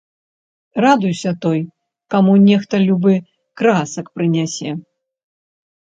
Радуйся той, каму нехта любы красак прынясе.